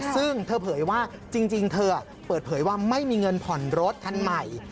ซึ่งเธอเผยว่าจริงเธอเปิดเผยว่าไม่มีเงินผ่อนรถคันใหม่